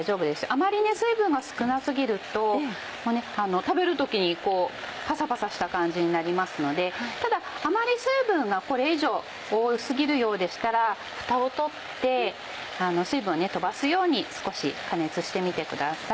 あまり水分が少な過ぎると食べる時にパサパサした感じになりますのでただ水分がこれ以上多過ぎるようでしたらふたを取って水分を飛ばすように少し加熱してみてください。